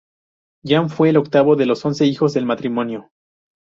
Jan fue el octavo de los once hijos del matrimonio.